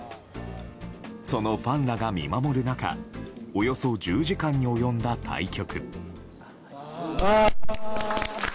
そのファンらが見守る中およそ１０時間に及んだ対局。